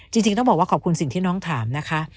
จริงต้องบอกว่าขอบคุณสิ่งที่น้องถามนะคะ